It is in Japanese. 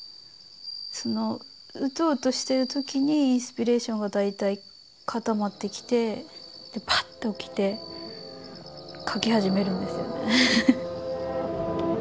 そのうとうとしてる時にインスピレーションが大体固まってきてパッと起きて描き始めるんですよね。